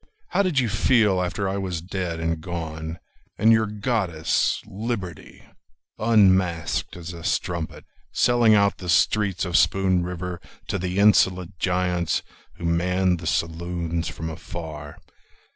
How did you feel after I was dead and gone, And your goddess, Liberty, unmasked as a strumpet, Selling out the streets of Spoon River To the insolent giants Who manned the saloons from afar?